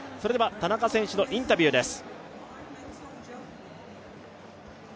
田中選手のインタビューです。